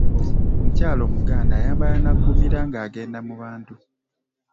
Omukyala Omuganda ayambala n’aggumira ng’agenda mu bantu.